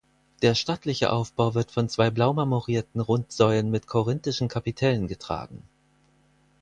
Der stattliche Aufbau wird von zwei blau marmorierten Rundsäulen mit korinthischen Kapitellen getragen.